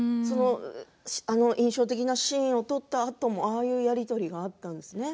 印象的なシーンを撮ったあとも、ああいうやり取りがあったんですね。